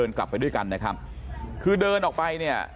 กลับไปด้วยกันนะครับคือเดินออกไปเนี่ย